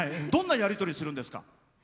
どんなやり取りするんですか？